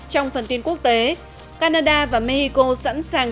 trong phần tin quốc tế canada và mexico sẵn sàng cho kịch bản mỹ rút khỏi nafta